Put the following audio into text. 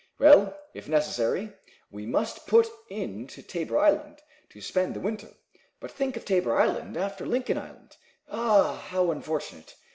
Well, if necessary, we must put in to Tabor island to spend the winter. But think of Tabor island after Lincoln Island. Ah, how unfortunate!